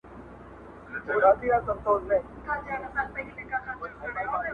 چوپ پاته وي,